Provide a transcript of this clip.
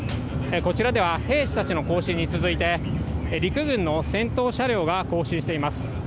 こちらでは、兵士たちの行進に続いて、陸軍の戦闘車両が行進しています。